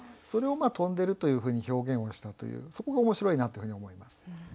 それを飛んでるというふうに表現をしたというそこが面白いなというふうに思います。